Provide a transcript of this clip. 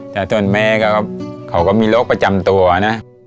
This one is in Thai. แต่ส่วนแม่เขาก็มีโรคประจำตัวนะ